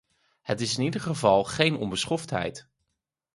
Het is in ieder geval geen onbeschoftheid.